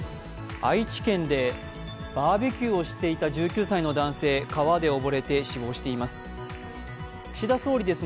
愛知県でバーベキューをしていた１９歳の男性、川で溺れて死亡しています。